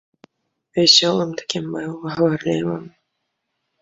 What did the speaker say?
Вясёлым такім быў, гаварлівым.